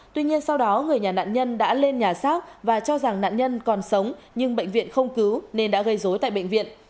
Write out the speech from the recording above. tuy nhiên sau đó người nhà nạn nhân đã lên nhà xác và cho rằng nạn nhân còn sống nhưng bệnh viện không cứu nên đã gây dối tại bệnh viện